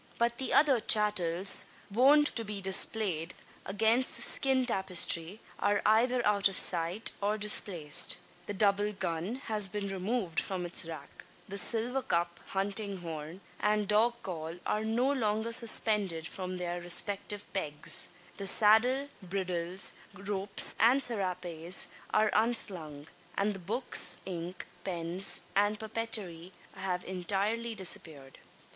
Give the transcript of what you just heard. But the other "chattels" wont to be displayed against the skin tapestry are either out of sight, or displaced. The double gun has been removed from its rack; the silver cup, hunting horn, and dog call, are no longer suspended from their respective pegs; the saddle, bridles, ropes, and serapes are unslung; and the books, ink, pens, and papeterie have entirely disappeared.